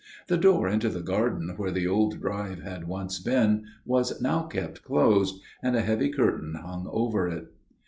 The door into the garden where the old drive had once been was now kept closed, and a heavy curtain hung over it.